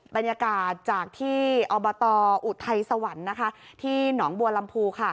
บรรยากาศจากที่ออุทัยสวรรค์น้องบัวลำพู